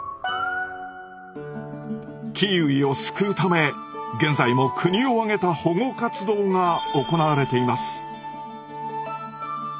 キーウィを救うため現在も国をあげた保護活動が行われています。